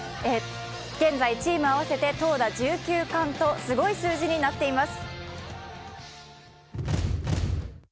現在、チーム合わせて投打１１冠とすごい数字になっています。